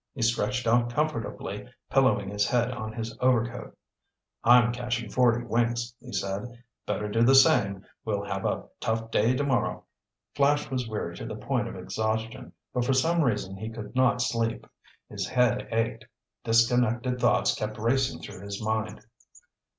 He stretched out comfortably, pillowing his head on his overcoat. "I'm catching forty winks," he said. "Better do the same. We'll have a tough day tomorrow." Flash was weary to the point of exhaustion, but for some reason he could not sleep. His head ached. Disconnected thoughts kept racing through his mind.